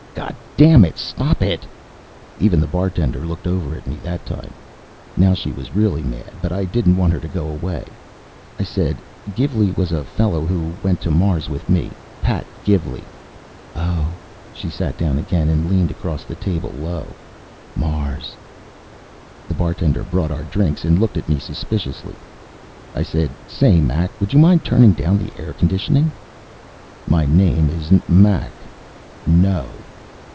"Goddam it, stop it!" Even the bartender looked over at me that time. Now she was really mad, but I didn't want her to go away. I said, "Gilvey was a fellow who went to Mars with me. Pat Gilvey." "Oh." She sat down again and leaned across the table, low. "Mars." The bartender brought our drinks and looked at me suspiciously. I said, "Say, Mac, would you turn down the air conditioning?" "My name isn't Mac. No."